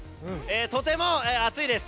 とても暑いです。